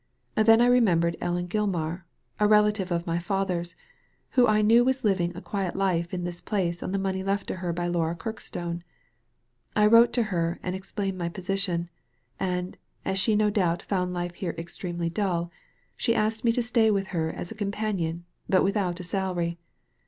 Then I remembered Ellen Gilmar — a relative of my father's, who I knew was living a quiet life in this place on the money left to her by Laura Kirkstone. I wrote to her and explained my position ; and, as she no doubt found life here extremely dull, she asked me to stay with her as a companion, but without a salary.